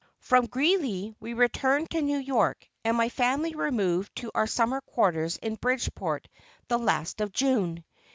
From Greeley we returned to New York, and my family removed to our Summer quarters in Bridgeport the last of June.